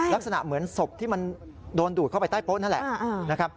ลักษณะเหมือนศพที่มันโดนดูดเข้าไปใต้โป๊ะนั่นแหละนะครับ